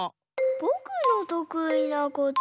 ぼくのとくいなことは。